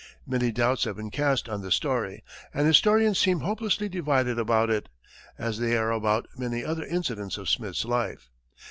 Many doubts have been cast on the story, and historians seem hopelessly divided about it, as they are about many other incidents of Smith's life.